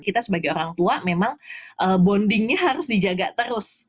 kita sebagai orang tua memang bondingnya harus dijaga terus